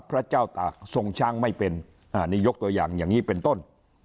พระเจ้าตากทรงช้างไม่เป็นอันนี้ยกตัวอย่างอย่างนี้เป็นต้น